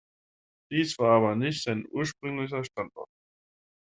Dies war aber nicht sein ursprünglicher Standort.